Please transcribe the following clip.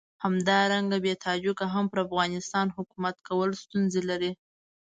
همدارنګه بې تاجکو هم پر افغانستان حکومت کول ستونزې لري.